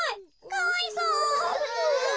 かわいそう。